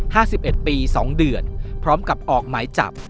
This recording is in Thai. สิบเอ็ดปีสองเดือนพร้อมกับออกหมายจับ